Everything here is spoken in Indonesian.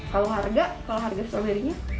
kalau harga kalau harga stroberinya